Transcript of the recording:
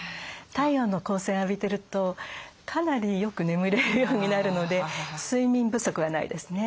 太陽の光線浴びてるとかなりよく眠れるようになるので睡眠不足はないですね。